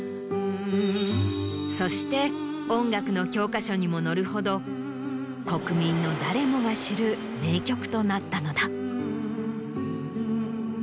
そして音楽の教科書にも載るほど国民の誰もが知る名曲となったのだ。